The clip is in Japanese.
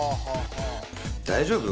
大丈夫？